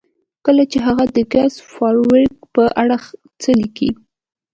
کله چې هغه د ګس فارویک په اړه څه لیکي